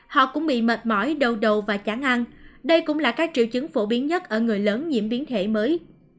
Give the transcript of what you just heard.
họ cũng bị mệt mỏi đầu và chán ăn đây cũng là các triệu chứng phổ biến nhất ở người lớn nhiễm biến thể mới